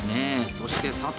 そして佐藤